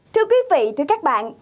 thưa quý vị thưa các bạn